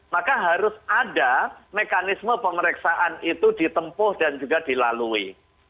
maka harus ada mekanisme pemeriksaan itu ditempuh dan juga dilalui